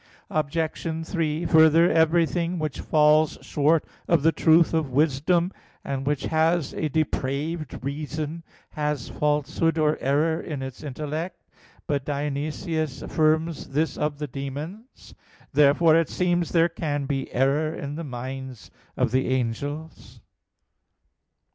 Obj. 3: Further, everything which falls short of the truth of wisdom, and which has a depraved reason, has falsehood or error in its intellect. But Dionysius (Div. Nom. vii) affirms this of the demons. Therefore it seems that there can be error in the minds of the angels.